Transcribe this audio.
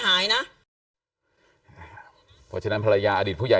ข้างหลังก็ลงไป